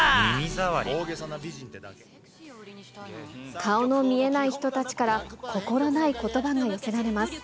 顔の見えない人たちから心ないことばが寄せられます。